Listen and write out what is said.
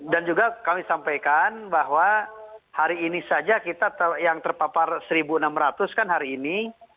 dan juga kami sampaikan bahwa hari ini saja kita yang terpapar satu enam ratus kan hari ini